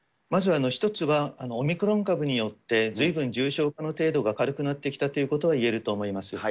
まず一つは、オミクロン株によって、ずいぶん重症化の程度が軽くなってきたということがいえると思います。